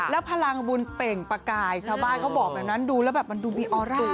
แล้วพลังบุญเป่งประกายชาวบ้านเขาบอกแบบนั้นดูแล้วแบบมันดูมีออร่า